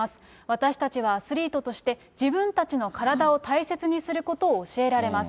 私たちはアスリートとして、自分たちの体を大切にすることを教えられます。